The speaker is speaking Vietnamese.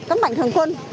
các mạnh thường quân